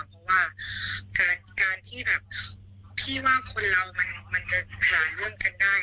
เพราะว่าการที่แบบพี่ว่าคนเรามันจะหาเรื่องกันได้